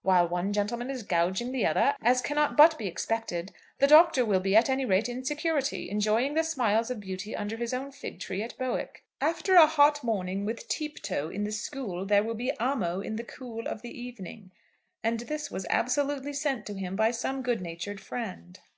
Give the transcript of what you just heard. While one gentleman is gouging the other, as cannot but be expected, the Doctor will be at any rate in security, enjoying the smiles of beauty under his own fig tree at Bowick. After a hot morning with 'tupto' in the school, there will be 'amo' in the cool of the evening." And this was absolutely sent to him by some good natured friend!